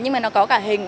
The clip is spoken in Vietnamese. nhưng mà nó có cả hình